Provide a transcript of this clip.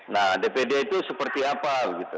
nah dpd itu seperti apa gitu